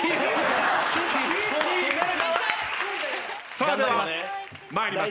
さあでは参ります。